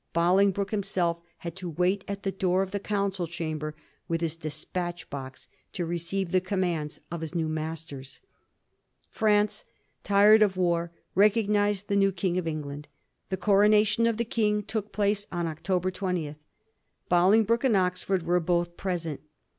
Bolingbroke himself had to wait at the door of the Council Chamber with his despatch box, to receive the commands of his new masters. France, tired of war, recognised the new King of England. The coronation of the King took place on October 20 ; Bolingbroke and Oxford were both present.